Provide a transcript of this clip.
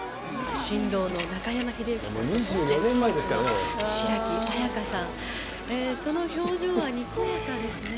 新郎の中山秀征さん、そして新婦の白城あやかさん、その表情はにこやかですね。